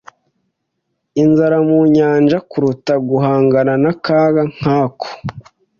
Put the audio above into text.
inzara mu nyanja kuruta guhangana n'akaga nk'ako.